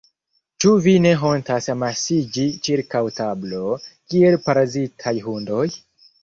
Ĉu vi ne hontas amasiĝi ĉirkaŭ tablo, kiel parazitaj hundoj?